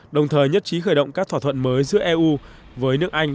đồng thời nhất trí khởi động các thỏa thuận mới giữa eu với nước anh